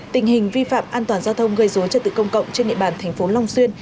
tình hình vi phạm an toàn giao thông gây dối trật tự công cộng trên địa bàn thành phố long xuyên